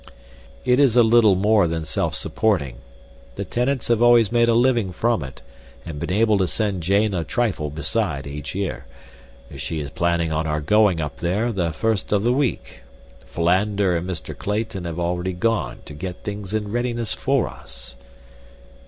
"It is a little more than self supporting. The tenants have always made a living from it, and been able to send Jane a trifle beside, each year. She is planning on our going up there the first of the week. Philander and Mr. Clayton have already gone to get things in readiness for us."